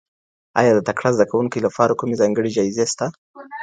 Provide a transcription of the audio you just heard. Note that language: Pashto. آیا د تکړه زده کوونکو لپاره کومې ځانګړې جایزې سته؟